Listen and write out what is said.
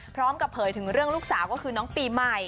พร้อมกับเผยถึงเรื่องลูกสาวก็คือน้องปีใหม่